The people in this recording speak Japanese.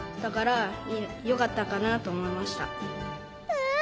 うん！